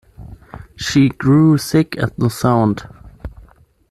She grew sick at the sound.